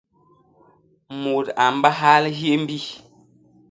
Mut a mbahal hyémbi.